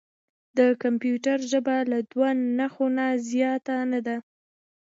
د کمپیوټر ژبه له دوه نښو نه زیاته نه ده.